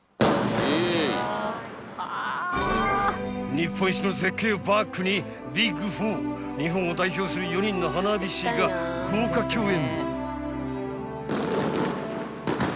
［日本一の絶景をバックにＢＩＧ４日本を代表する４人の花火師が豪華共演］